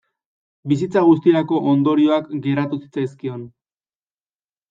Bizitza guztirako ondorioak geratu zitzaizkion.